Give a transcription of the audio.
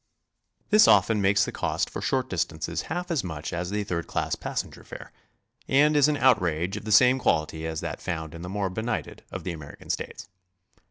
This often makes the cost for short distances half as much as the third class passenger fare, and is an outrage of the same quality as that found in the more benighted of the American States.